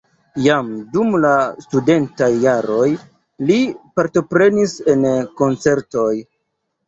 Jam dum la studentaj jaroj li partoprenis en koncertoj.